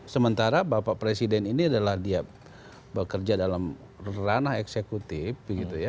sementara bapak presiden ini adalah dia bekerja dalam ranah eksekutif